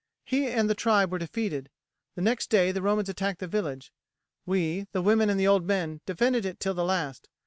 "He and the tribe were defeated. The next day the Romans attacked the village. We, the women and the old men, defended it till the last.